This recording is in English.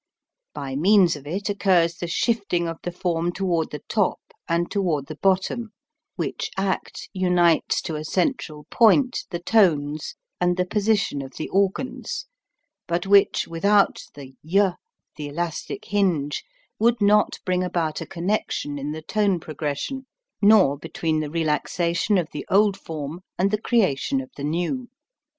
By means of it occurs the shifting of the form toward the top and toward the bottom, which act unites to a central point the tones and the position of the organs, but which without the y the elastic hinge would not bring about a connection in the tone progression nor be tween the relaxation of the old form and the creation of the new.